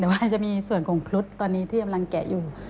แต่ว่าอาจจะมีส่วนของครุฑตอนนี้ที่กำลังแกะอยู่